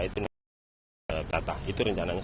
itu nanti kita datang itu rencananya